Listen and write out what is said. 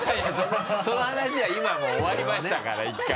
その話は今もう終わりましたから１回。